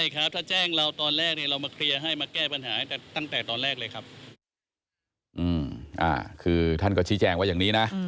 คือท่านก็ชี้แจงว่าอย่างนี้นะ